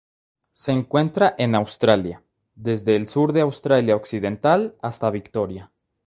Se encuentra en Australia: desde el sur de Australia Occidental hasta Victoria.